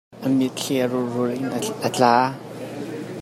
A mitthli a rulrul in a tla.